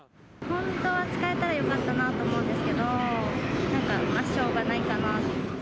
本当は使えたらよかったなと思うんですけども、しょうがないかな。